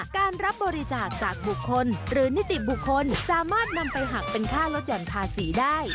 การรับบริจาคจากบุคคลหรือนิติบุคคลสามารถนำไปหักเป็นค่าลดหย่อนภาษีได้